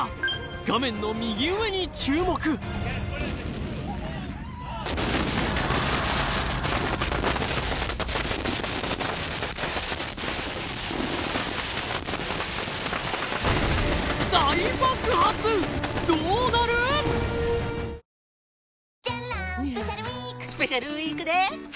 画面の右上に注目どうなる⁉あれ？